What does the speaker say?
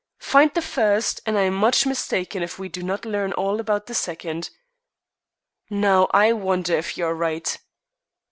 Find the first, and I am much mistaken if we do not learn all about the second." "Now I wonder if you are right."